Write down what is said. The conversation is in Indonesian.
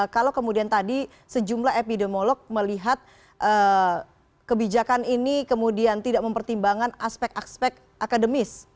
kalau kemudian tadi sejumlah epidemiolog melihat kebijakan ini kemudian tidak mempertimbangkan aspek aspek akademis